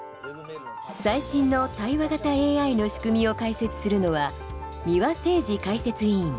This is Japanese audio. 最新の対話型ＡＩの仕組みを解説するのは三輪誠司解説委員。